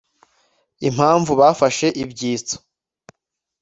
impamvu bafashe ibyitso?